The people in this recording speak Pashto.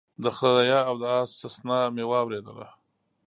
د خره ريا او د اس سسنا مې واورېدله